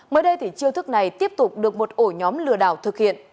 mới đây thì chiêu thức này tiếp tục được một ổ nhóm lừa đảo thực hiện